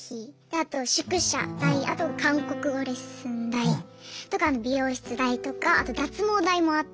あと宿舎代あと韓国語レッスン代とか美容室代とかあと脱毛代もあって。